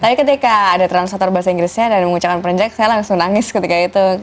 tapi ketika ada transator bahasa inggrisnya dan mengucapkan prenjak saya langsung nangis ketika itu